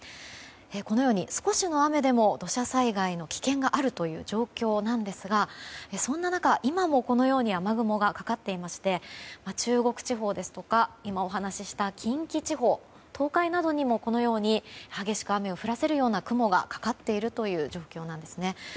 このように少しの雨でも土砂災害の危険がある状況ですがそんな中、今もこのように雨雲がかかっていまして中国地方ですとか今、お話しした近畿地方東海などにも激しく雨を降らせるような雲がかかっているという状況なんですね。